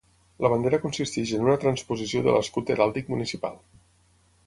La bandera consisteix en una transposició de l'escut heràldic municipal.